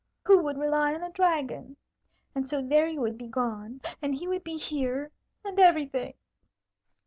Who would rely on a dragon? And so there you would be gone, and he would be here, and everything!"